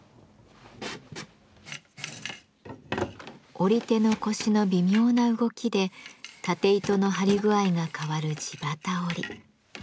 織り手の腰の微妙な動きで縦糸の張り具合が変わる地機織。